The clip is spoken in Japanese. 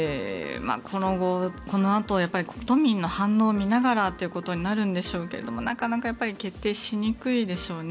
このあと、都民の反応を見ながらということになるんでしょうけどなかなか決定しにくいでしょうね。